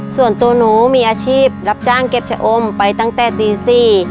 ส่วนตัวหนูมีอาชีพรับจ้างเก็บชะอมไปตั้งแต่ตีสี่